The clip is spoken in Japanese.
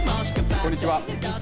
こんにちは。